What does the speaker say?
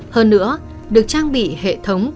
hơn nữa được trang bị hệ thống cưu